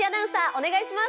お願いします。